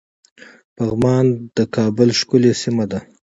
پغمان د کابل ښکلی سيمه ده